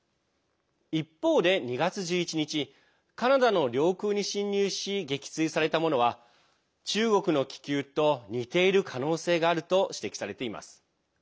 一方で、２月１１日カナダの領空に侵入し撃墜されたものは中国の気球と似ている可能性があると指摘されています。